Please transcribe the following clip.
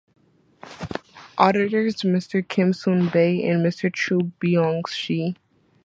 Auditors, Mr. Kim Soon Bae and Mr. Cho Byoung Shi.